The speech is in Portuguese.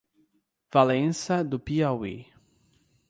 Valença do Piauí